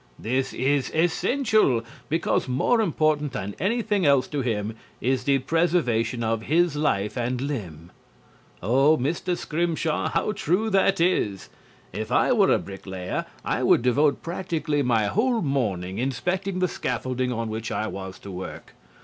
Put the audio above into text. This is essential, because more important than anything else to him is the preservation of his life and limb." Oh, Mr. Scrimshaw, how true that is! If I were a bricklayer I would devote practically my whole morning inspecting the scaffolding on which I was to work.